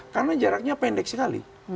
karena jaraknya pendek sekali